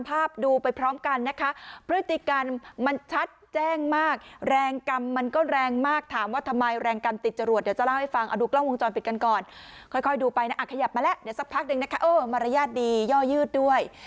ค่อยดูไปนะอ่ะขยับมาแล้วเดี๋ยวสักพักหนึ่งนะคะโอ้ยมารยาทดีย่อยืดด้วย